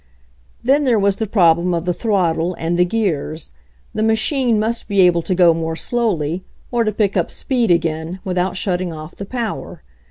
Then there was the problem of the throttle, and the gears. The machine must be able to go more slowly, or to pick up speed again, without shutting off the power.